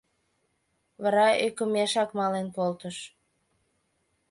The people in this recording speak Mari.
Вара ӧкымешак мален колтыш.